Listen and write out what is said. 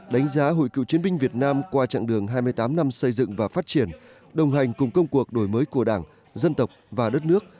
đánh giá hội cựu chiến binh việt nam qua chặng đường hai mươi tám năm xây dựng và phát triển đồng hành cùng công cuộc đổi mới của đảng dân tộc và đất nước